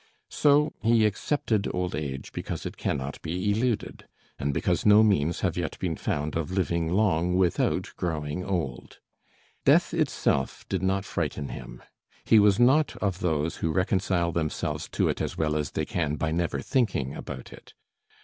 So he accepted old age because it cannot be eluded, and because no means have yet been found of living long without growing old. Death itself did not frighten him. He was not of those who reconcile themselves to it as well as they can by never thinking about it.